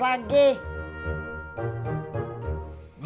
masalah itu kagak usah dibahas lagi